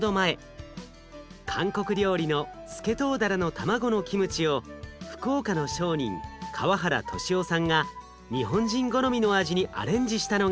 韓国料理のスケトウダラの卵のキムチを福岡の商人川原俊夫さんが日本人好みの味にアレンジしたのが始まり。